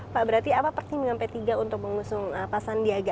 pak berarti apa pertimbangan p tiga untuk mengusung pak sandiaga